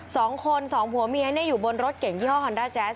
สองคนสองผัวเมียเนี่ยอยู่บนรถเก่งยี่ห้อฮอนด้าแจ๊ส